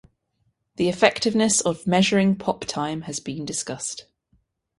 The effectiveness of measuring pop time has been discussed.